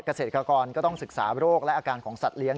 เกษตรกรก็ต้องศึกษาโรคและอาการของสัตว์เลี้ย